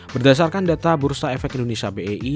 berdasarkan data bursa efek industri